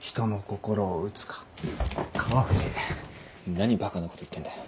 何バカなこと言ってんだよ。